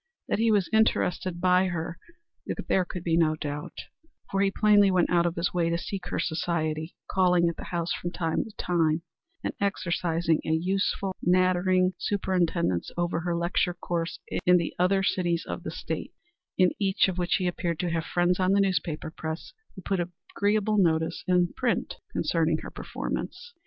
That he was interested by her there could be no doubt, for he plainly went out of his way to seek her society, calling at the house from time to time, and exercising a useful, nattering superintendence over her lecture course in the other cities of the State, in each of which he appeared to have friends on the newspaper press who put agreeable notices in print concerning her performance.